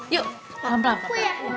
yuk pelan pelan pelan